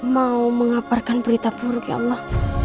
mau mengaparkan berita buruk ya allah